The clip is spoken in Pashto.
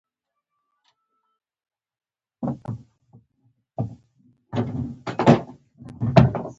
پښتو متل: "د دله کلي ملک به مُلا وي"